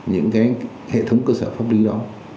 những cái hệ thống cơ sở pháp lý đó